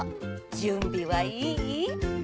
じゅんびはいい？